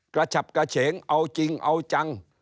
ฉับกระเฉงเอาจริงเอาจัง